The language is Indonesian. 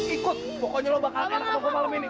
ikut pokoknya lo bakal kena panggung malem ini